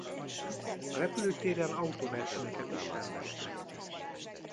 A repülőtéren autóversenyeket is rendeztek.